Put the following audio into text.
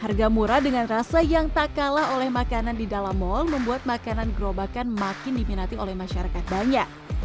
harga murah dengan rasa yang tak kalah oleh makanan di dalam mal membuat makanan gerobakan makin diminati oleh masyarakat banyak